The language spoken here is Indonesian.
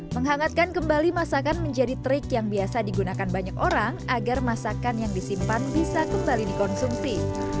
menghangatkan kembali masakan menjadi trik yang biasa digunakan banyak orang agar masakan yang disimpan bisa kembali dikonsumsi